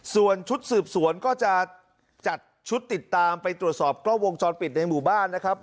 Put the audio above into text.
ส่วนชุดสืบสวนก็จะจัดชุดติดตามไปตรวจสอบกล้องวงจรปิดในหมู่บ้านนะครับ